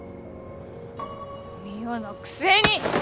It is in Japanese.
望緒のくせに！